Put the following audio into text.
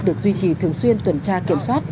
được duy trì thường xuyên tuần tra kiểm soát